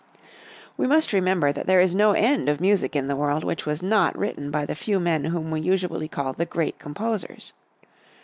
We must remember that there is no end of music in the world which was not written by the few men whom we usually call the great composers.